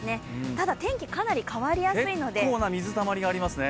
ただ、天気かなり変わりやすいですね。